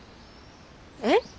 えっ？